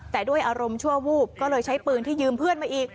แต่ด้วยอารมณ์ชั่ววูบก็เลยใช้ปืนที่ยืมเพื่อนมาอีก